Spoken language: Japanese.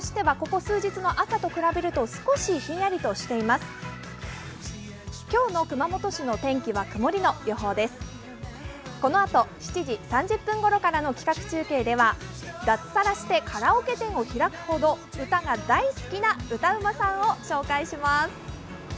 このあと７時３０分頃からの企画中継では脱サラしてカラオケ店を開くほど歌が大好きな歌うまさんを紹介します。